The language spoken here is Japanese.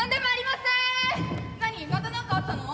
また何かあったの？